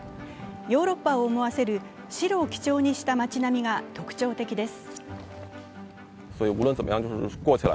ヨーロッパを思わせる白を基調にした街並みが特徴的です。